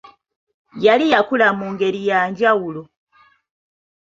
Yali yakula mu ngeri ya njawulo.